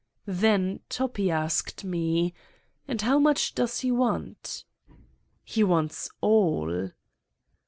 Then Toppi asked me: "And how much does he want!" "He wants all!"